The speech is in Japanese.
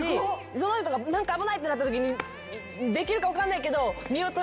その人が何か危ないってなったときにできるか分かんないけど。